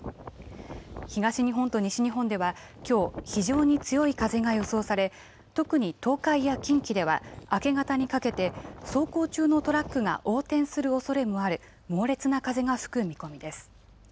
東日本と西日本ではきょう非常に強い風が予想され特に東海や近畿では明け方にかけて走行中のトラックが横転するおそれもある猛烈な風が吹く見込みです。